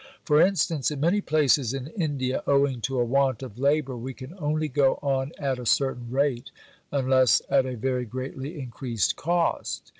For instance, in many places in India owing to a want of labour we can only go on at a certain rate unless at a very greatly increased cost.